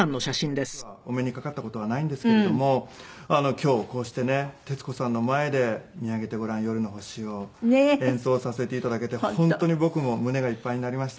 僕はお目にかかった事はないんですけれども今日こうしてね徹子さんの前で『見上げてごらん夜の星を』を演奏させて頂けて本当に僕も胸がいっぱいになりました。